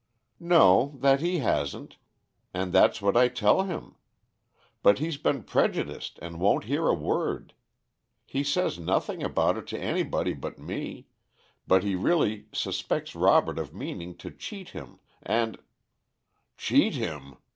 "No, that he hasn't; and that's what I tell him. But he's been prejudiced and won't hear a word. He says nothing about it to anybody but me, but he really suspects Robert of meaning to cheat him, and " "Cheat him!"